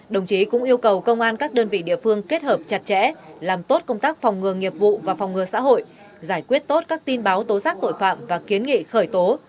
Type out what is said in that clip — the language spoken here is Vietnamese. đồng chí cũng yêu cầu công an các đơn vị địa phương kết hợp chặt chẽ làm tốt công tác phòng ngừa nghiệp vụ và phòng ngừa xã hội giải quyết tốt các tin báo tố giác tội phạm và kiến nghị khởi tố